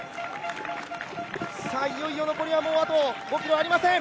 いよいよ残りはもうあと５ｋｍありません。